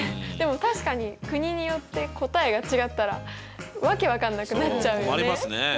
でも確かに国によって答えが違ったら訳分かんなくなっちゃうよね。